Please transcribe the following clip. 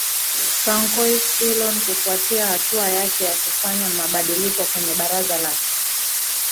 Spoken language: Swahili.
francois fillon kufuatia hatua yake ya kufanya mabandiliko kwenye baraza lake